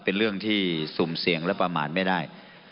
เป็นเรื่องที่สุ่มเสี่ยงและประมาณไม่ได้